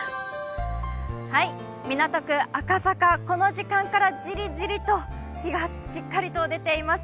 港区赤坂、この時間からじりじりと日がしっかりと出ています。